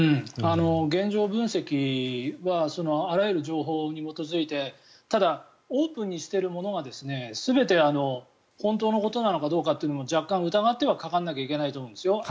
現状分析はあらゆる情報に基づいてただオープンにしているもの全てが本当なのかというのは若干疑ってかからないといけないと思うんですよ。